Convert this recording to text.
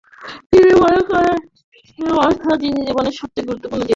তিনি মনে করেন যে অর্থ জীবনের সবচেয়ে গুরুত্বপূর্ণ জিনিস।